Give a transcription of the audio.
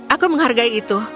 aku menghargai itu